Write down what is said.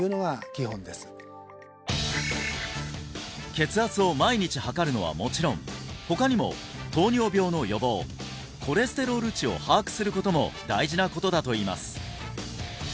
血圧を毎日測るのはもちろん他にも糖尿病の予防コレステロール値を把握することも大事なことだといいます